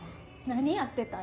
何やってた？